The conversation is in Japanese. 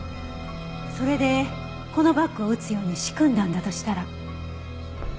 それでこのバッグを撃つように仕組んだんだとしたら。